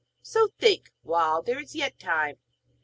So think, while there is yet time.'